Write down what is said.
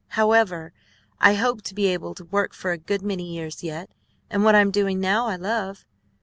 However, I hope to be able to work for a good many years yet, and what I'm doing now I love.